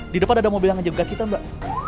di depan ada mobil yang ngejek ke kita mbak